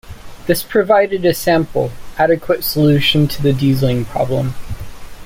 This provided a simple, adequate solution to the dieseling problem.